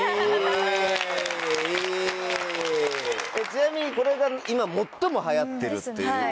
ちなみにこれが今最も流行ってるっていう。